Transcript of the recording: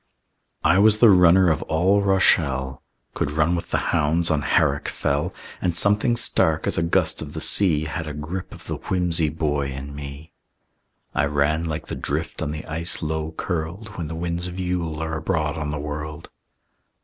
I was the runner of all Rochelle, Could run with the hounds on Haric Fell; And something stark as a gust of the sea Had a grip of the whimsy boy in me. I ran like the drift on the ice low curled When the winds of Yule are abroad on the world.